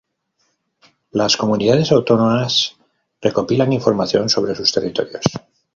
Las Comunidades Autónomas recopilan información sobre sus territorios.